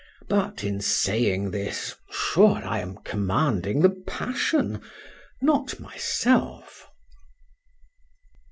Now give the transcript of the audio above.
—But in saying this,—sure I am commanding the passion,—not myself.